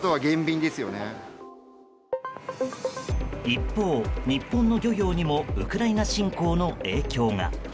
一方、日本の漁業にもウクライナ侵攻の影響が。